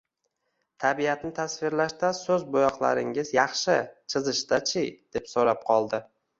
— Tabiatni tasvirlashda so‘z “bo‘yoq”laringiz yaxshi. Chizishda-chi? — deb so‘rab qoldi.